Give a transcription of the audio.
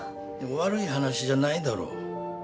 悪い話じゃないだろう。